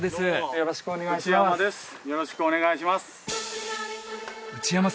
よろしくお願いします